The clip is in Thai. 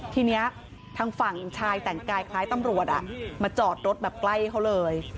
ทีนี้ทางฝั่งชายแต่งกายคล้ายตำรวจมาจอดรถแบบใกล้เขาเลย